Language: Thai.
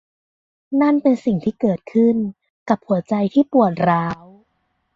นั่นเป็นสิ่งที่เกิดขึ้นกับหัวใจที่ปวดร้าว